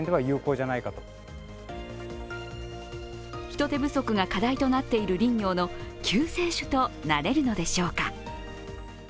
人手不足が課題となっている林業の救世主となれるのでしょうか。